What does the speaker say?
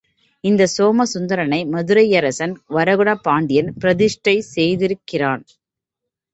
இந்தச் சோமசுந்தரனை மதுரையரசன் வரகுண பாண்டியன் பிரதிஷ்டை செய்திருக்கிறான்.